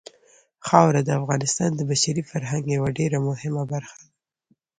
خاوره د افغانستان د بشري فرهنګ یوه ډېره مهمه برخه ده.